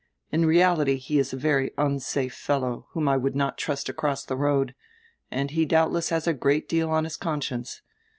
In reality he is a very unsafe fellow, whom I would not trust across die road, and he doubdess has a great deal on his conscience.